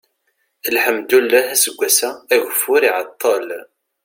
lḥemdullah aseggas-a ageffur iɛeṭṭel